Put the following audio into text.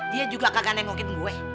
dia juga kakak nengokin gue